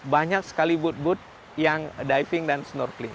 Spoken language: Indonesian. banyak sekali bud bud yang diving dan snorkeling